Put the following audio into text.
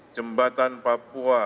jembatan papua lrt